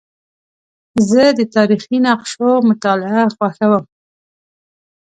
زه د تاریخي نقشو مطالعه خوښوم.